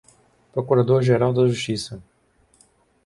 procurador-geral de justiça